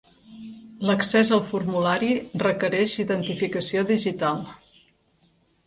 L'accés al formulari requereix identificació digital.